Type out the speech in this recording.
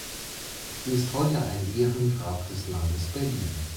Sie ist heute ein Ehrengrab des Landes Berlin.